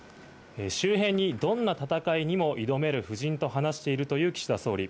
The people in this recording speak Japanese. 周辺にどんな戦いにも挑める布陣と話しているという岸田総理。